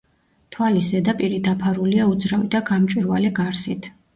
თვალის ზედაპირი დაფარულია უძრავი და გამჭვირვალე გარსით.